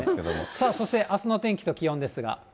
さあそして、あすの天気と気温ですが。